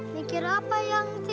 dikira apa yangti